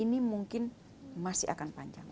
ini mungkin masih akan panjang